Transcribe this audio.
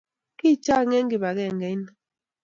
kichang eng kibagengeit nii